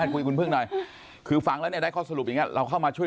คุณเพิ่งดรคือฟังแล้วได้ข้อสรุปอย่างนี้เราเข้ามาช่วย